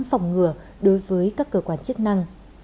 phòng ngừa đối với các cơ quan chức năng